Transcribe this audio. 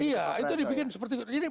iya itu dibikin seperti itu